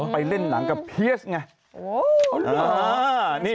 ไปเล่นหนังกับเพียสไง